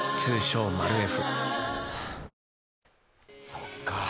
そっか。